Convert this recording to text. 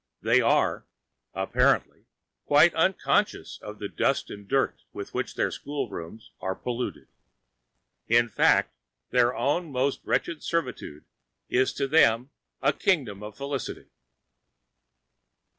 They are, apparently, quite unconscious of the dust and dirt with which their schoolrooms are polluted. In fact, their own most wretched servitude is to them a kingdom of felicity.